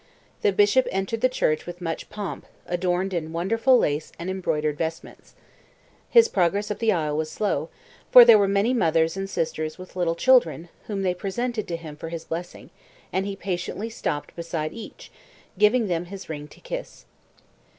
The bishop entered the church with much pomp, adorned in wonderful lace and embroidered vestments. His progress up the aisle was slow, for there were many mothers and sisters with little children, whom they presented to him for his blessing, and he patiently stopped beside each, giving them his ring to kiss.